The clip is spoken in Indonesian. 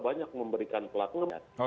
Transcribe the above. banyak memberikan pelakuan